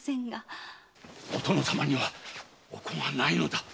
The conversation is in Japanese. お殿様にはお子がないのだ。